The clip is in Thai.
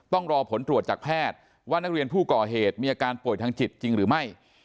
ต้องรอผลตรวจจากแพทย์ว่านักเรียนผู้ก่อเหตุมีอาการป่วยทางจิตจริงหรือไม่